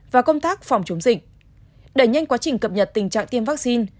và công tác phòng chống dịch đẩy nhanh quá trình cập nhật tình trạng tiêm vaccine